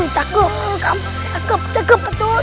cakup cakup cakup